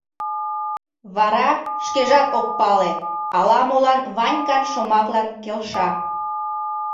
Вара, шкежат ок пале, ала-молан Ванькан шомаклан келша.